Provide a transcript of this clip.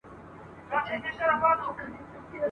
په کتاب کي څه راغلي راته وایه ملاجانه !.